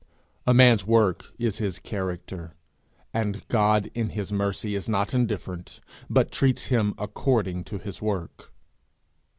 A man's work is his character; and God in his mercy is not indifferent, but treats him according to his work.